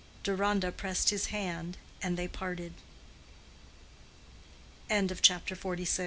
Deronda pressed his hand, and they parted. CHAPTER XLVII.